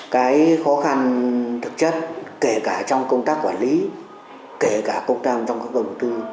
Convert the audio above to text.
cái khó khăn thực chất kể cả trong công tác quản lý kể cả công tác trong các đồng tư